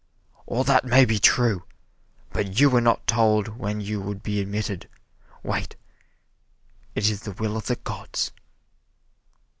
"All that may be true, but you were not told when you would be admitted wait, it is the will of the gods."